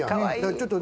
ちょっと。